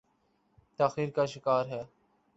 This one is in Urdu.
تاخیر کا شکار ہے۔